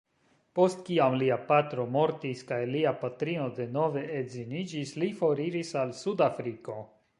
Post kiam lia patro mortis kaj lia patrino denove edziniĝis, li foriris al Sud-Afriko.